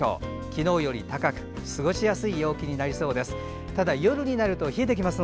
昨日より高く過ごしやすい陽気になりそうです。